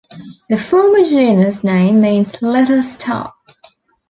The former genus name means "little star".